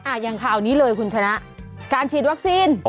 อย่างข่าวนี้เลยคุณชนะการฉีดวัคซีน